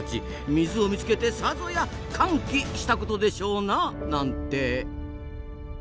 水を見つけてさぞや「歓喜」したことでしょうな。なんて。